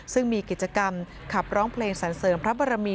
ซึ่งมีกิจกรรมขับร้องเพลงสรรเสริมพระบรมี